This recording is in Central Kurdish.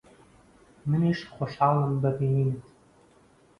منیش خۆشحاڵم بە بینینت.